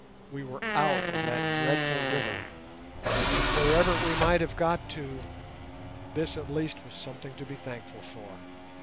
We were out of that dreadful river, and wherever we might have got to this at least was something to be thankful for.